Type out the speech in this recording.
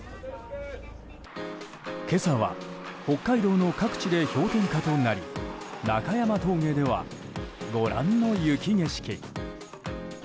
今朝は、北海道の各地で氷点下となり、中山峠ではご覧の雪景色。